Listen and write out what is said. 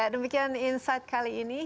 demikian insight kali ini